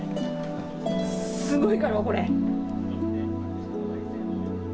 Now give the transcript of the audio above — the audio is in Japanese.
すごいだろこれ。